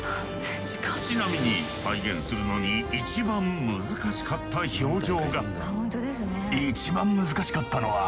ちなみに再現するのに一番難しかった表情が。